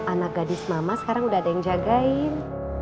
anak gadis mama sekarang udah ada yang jagain